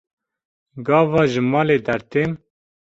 Gava ji malê dertêm.